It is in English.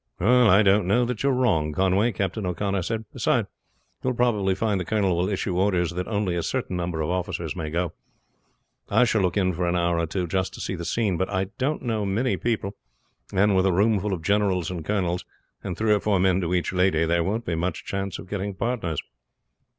"I don't know that you are wrong, Conway," Captain O'Connor said. "Beside, you will probably find the colonel will issue orders that only a certain number of officers may go. I shall look in for an hour or two just to see the scene. But I don't know many people, and with a room full of generals and colonels, and three or four men to each lady, there won't be much chance of getting partners."